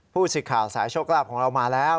ผู้สื่อข่าวสายโชคลาภของเรามาแล้ว